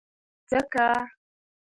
ځکه،